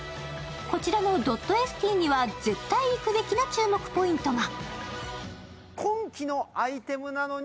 こちらのドットエスティには絶対行くべきポイントが。